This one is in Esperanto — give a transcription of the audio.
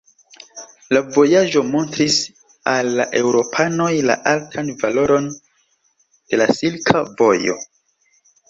La vojaĝo montris al la eŭropanoj la altan valoron de la Silka Vojo.